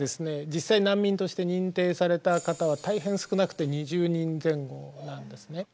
実際に難民として認定された方は大変少なくて２０人前後なんですね。